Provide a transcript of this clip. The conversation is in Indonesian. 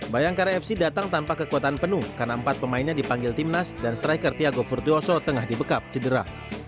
bayangkara fc datang tanpa kekuatan penuh karena empat pemainnya dipanggil timnas dan striker tiago furtioso tengah dibekap cedera